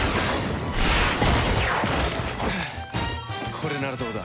これならどうだ？